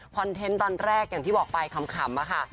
เทนต์ตอนแรกอย่างที่บอกไปขำค่ะ